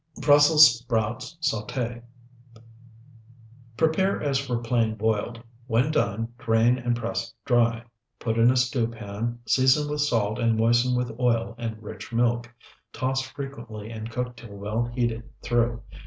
BRUSSELS SPROUTS SAUTE Prepare as for plain boiled; when done, drain and press dry; put in a stew pan, season with salt, and moisten with oil and rich milk. Toss frequently and cook till well heated through.